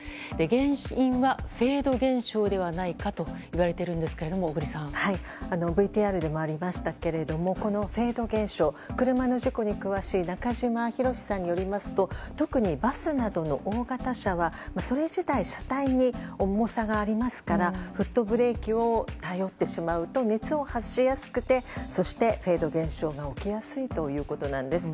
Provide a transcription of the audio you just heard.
原因はフェード現象でないかと言われているんですがＶＴＲでもありましたがこのフェード現象車の事故に詳しい中島博史さんによりますと特にバスなどの大型車はそれ自体、車体に重さがありますからフットブレーキに頼ってしまうと熱を発しやすくてそしてフェード現象が起きやすいということです。